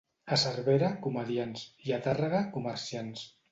A Cervera, comediants; i a Tàrrega, comerciants.